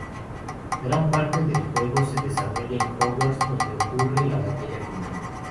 Gran parte del juego se desarrolla en Hogwarts, donde ocurre la batalla final.